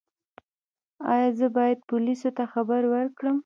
ایا زه باید پولیسو ته خبر ورکړم؟